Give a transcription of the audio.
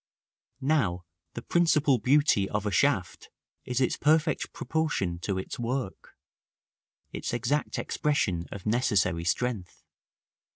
Now the principal beauty of a shaft is its perfect proportion to its work, its exact expression of necessary strength.